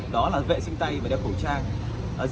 đó là vệ sinh tay và đeo khẩu trang